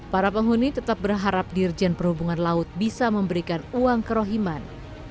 para penghuni tetap berharap dirjen perhubungan laut bisa memberikan uang kerohiman